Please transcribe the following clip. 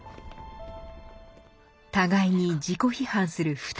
互いに自己批判する２人。